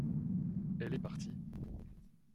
Elle est partie.